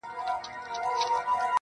ما يې توبه د کور ومخته په کوڅه کي وکړه.